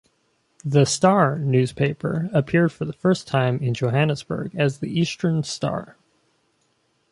"The Star" newspaper appeared for the first time in Johannesburg as The Eastern Star.